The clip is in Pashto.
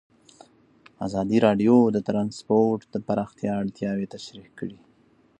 ازادي راډیو د ترانسپورټ د پراختیا اړتیاوې تشریح کړي.